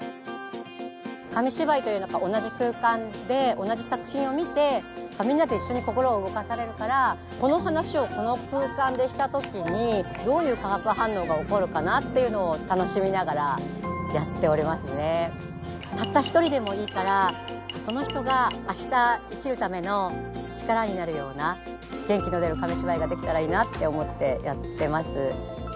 紙芝居という同じ空間で同じ作品を見てみんなと一緒に心を動かされるからこの話をこの空間でしたときにどういう化学反応が起こるかなっていうのを楽しみながらやっておりますねたった一人でもいいからその人が明日生きるための力になるような元気の出る紙芝居ができたらいいなって思ってやってます